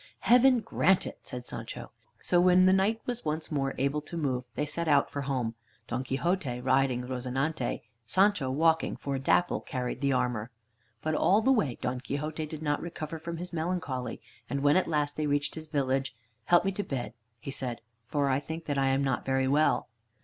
"Heaven grant it" said Sancho. So when the Knight was once more able to move they set out for home, Don Quixote riding "Rozinante" Sancho walking, for "Dapple" carried the armor. But all the way Don Quixote did not recover from his melancholy, and when at last they reached his village: "Help me to bed," he said, "for I think that I am not very well."